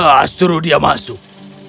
ah suruh dia masuk